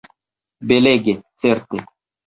Belege, certe!